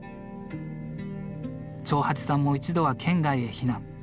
長八さんも一度は県外へ避難。